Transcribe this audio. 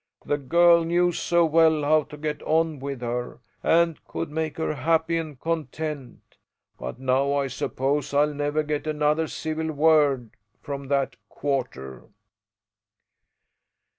"The girl knew so well how to get on with her, and could make her happy and content; but now I suppose I'll never get another civil word from that quarter."